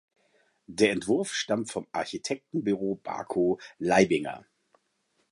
Der Entwurf stammt vom Architektenbüro Barkow Leibinger.